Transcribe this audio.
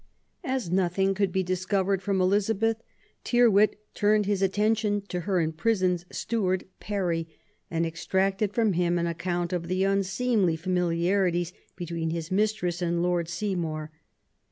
As nothing could be discovered from Elizabeth, Tyrwhit turned his attention to her imprisoned steward, Parry, and extracted from him an account of the unseemly familiarities between his mistress and Lord Seymour.